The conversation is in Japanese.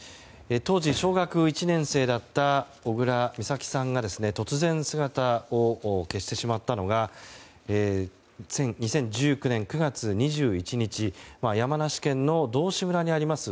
当時、小学１年生だった小倉美咲さんが突然、姿を消してしまったのが２０１９年９月２１日山梨県の道志村にあります